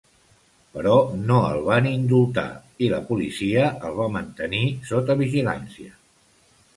Però no el van indultar, i la policia el va mantenir sota vigilància.